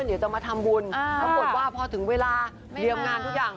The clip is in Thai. เดี๋ยวจะมาทำบุญปรากฏว่าพอถึงเวลาเตรียมงานทุกอย่าง